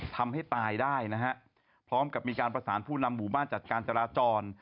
ทำให้ตายได้นะฮะพร้อมกับมีการประสานผู้นำหมู่บ้านจัดการจราจร